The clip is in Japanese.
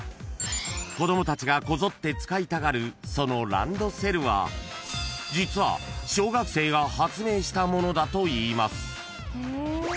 ［子供たちがこぞって使いたがるそのランドセルは実は小学生が発明したものだといいます］